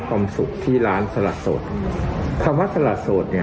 ความสุขที่ร้านทราสโสดเขาว่าทราสโสดเนี่ย